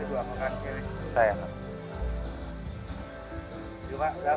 มันสะดวกเหมือนกันใช่ไหม